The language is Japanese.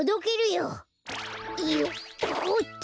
よっほっと！